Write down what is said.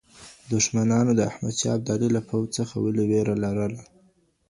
دښمنانو د احمد شاه ابدالي له پوځ څخه ولي وېره لرله؟